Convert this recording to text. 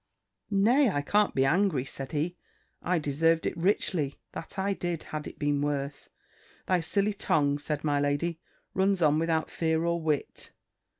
"Nay, I can't be angry," said he. "I deserved it richly, that I did, had it been worse." "Thy silly tongue," said my lady, "runs on without fear or wit.